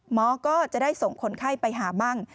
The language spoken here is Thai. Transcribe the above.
หมอก็จะได้ส่งคนไข้ไปหาบ้าง